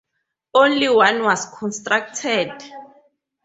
Only one was constructed.